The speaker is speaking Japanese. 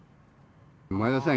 前田さん